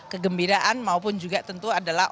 kegembiraan maupun juga tentu adalah